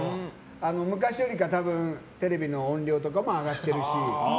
昔より、多分テレビの音量とかも上がってるし。